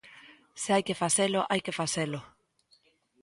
Se hai que facelo, hai que facelo.